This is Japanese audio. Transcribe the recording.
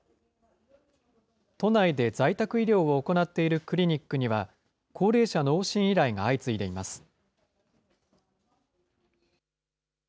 都内で在宅医療を行っているクリニックには、高齢者の往診依頼が相次いでいます。